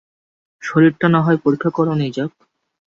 শরীরটা নাহয় পরীক্ষা করানোই যাক।